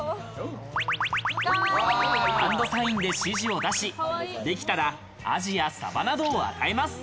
ハンドサインで指示を出し、できたらアジやサバなどを与えます。